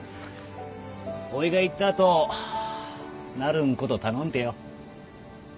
おぃが行った後なるんこと頼んてよ。